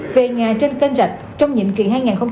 về nhà trên kênh rạch trong nhiệm kỳ